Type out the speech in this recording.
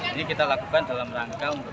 ini kita lakukan dalam rangka untuk